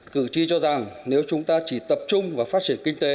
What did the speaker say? cử tri cho rằng nếu chúng ta chỉ tập trung vào phát triển kinh tế